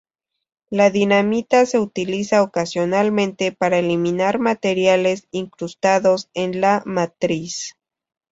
La dinamita se utiliza ocasionalmente para eliminar materiales incrustados en la matriz.